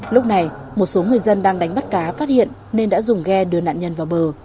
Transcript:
lúc này một số người dân đang đánh bắt cá phát hiện nên đã dùng ghe đưa nạn nhân vào bờ